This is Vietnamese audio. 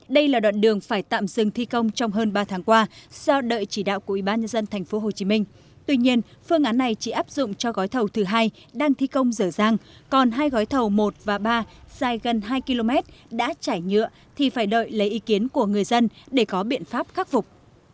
đây là đoạn đường phải tạm dừng thi công trong hơn ba tháng qua do đợi chỉ đạo của ủy ban nhân dân tp hcm tuy nhiên phương án này chỉ áp dụng cho gói thầu thứ hai đang thi công dở dàng còn hai gói thầu một và ba dài gần hai km đã trải nhựa thì phải đợi lấy ý kiến của người dân để có biện pháp khắc phục